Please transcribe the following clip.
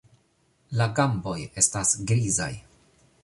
La gamboj estas grizaj.